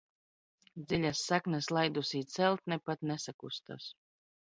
Dzi?as saknes laidus? celtne pat nesakustas.